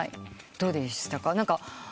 どうでしたか？